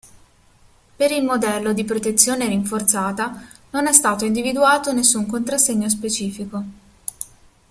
Per il modello di protezione rinforzata non è stato individuato nessun contrassegno specifico.